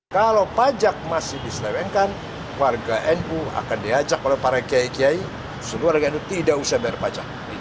kalau pajak masih diselewengkan warga nu akan diajak oleh para kiai kiai semua warga nu tidak usah bayar pajak